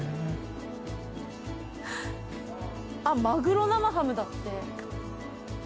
まぐろ生ハムだって。